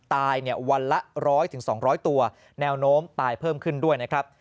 ตายวันละ๑๐๐๒๐๐ตัวแนวโน้มตายเพิ่มขึ้นด้วยนะครับ